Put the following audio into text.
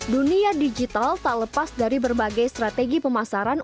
dunia digital tak lepas dari berbagai strategi pemasaran